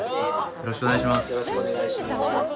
よろしくお願いします。